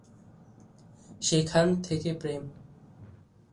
সেখান থেকে প্রেম।